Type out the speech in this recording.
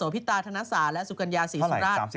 พิตาธนศาสตร์และสุกัญญาศรีสุราช